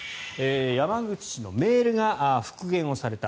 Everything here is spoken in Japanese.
山口氏のメールが復元された。